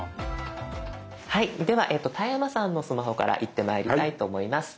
はいでは田山さんのスマホからいってまいりたいと思います。